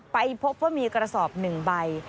ไปพบว่ามีกระสอบ๑ใบ